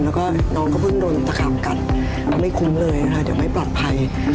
แล้วก็น้องก็เพิ่งโดนตะขางกัดก็ไม่คุ้มเลยค่ะเดี๋ยวไม่ปลอดภัย